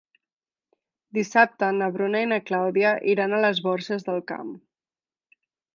Dissabte na Bruna i na Clàudia iran a les Borges del Camp.